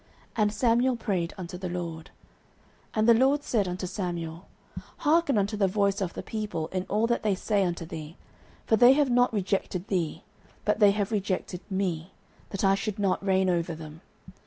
And Samuel prayed unto the LORD. 09:008:007 And the LORD said unto Samuel, Hearken unto the voice of the people in all that they say unto thee: for they have not rejected thee, but they have rejected me, that I should not reign over them.